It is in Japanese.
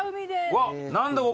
うわ何だここ。